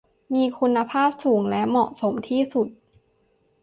มีคุณภาพสูงและเหมาะสมที่สุด